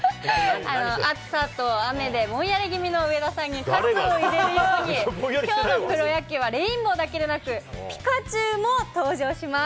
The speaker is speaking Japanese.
あの、暑さと雨でぼんやり気味の上田さんに、活を入れるように、きょうのプロ野球はレインボーだけでなく、ピカチュウも登場します。